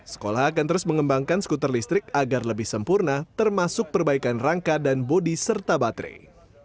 sekolah akan terus mengembangkan skuter listrik agar lebih sempurna termasuk perbaikan rangka dan bodi serta baterai